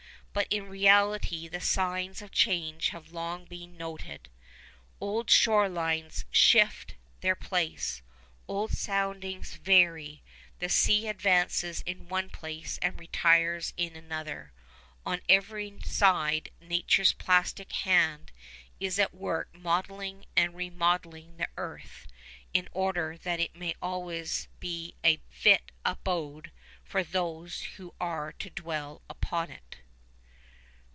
But, in reality, the signs of change have long been noted. Old shore lines shift their place, old soundings vary; the sea advances in one place and retires in another; on every side Nature's plastic hand is at work modelling and remodelling the earth, in order that it may always be a fit abode for those who are to dwell upon it.